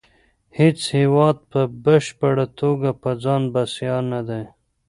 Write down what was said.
هیڅ هیواد په بشپړه توګه په ځان بسیا نه دی